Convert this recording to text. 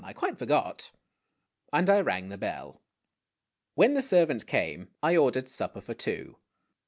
I quite forgot." And I rang the bell. When the servant came, I ordered supper for two.